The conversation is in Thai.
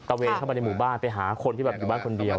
เวนเข้าไปในหมู่บ้านไปหาคนที่แบบอยู่บ้านคนเดียว